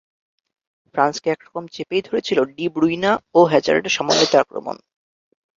ফ্রান্সকে একরকম চেপেই ধরেছিল ডি ব্রুইনা ও হ্যাজার্ডের সমন্বিত আক্রমণ।